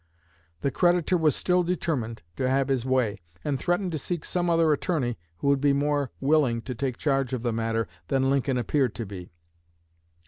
The creditor was still determined to have his way, and threatened to seek some other attorney who would be more willing to take charge of the matter than Lincoln appeared to be.